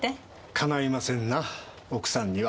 かないませんな奥さんには。